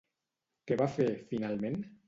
Què va fer, finalment?